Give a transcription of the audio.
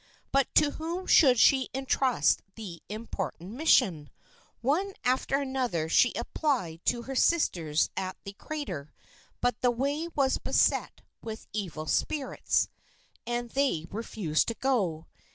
But to whom should she entrust the important mission? One after another she applied to her sisters at the crater, but the way was beset with evil spirits, and they refused to go.